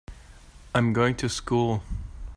I'm going to school.